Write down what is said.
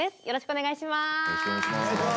よろしくお願いします。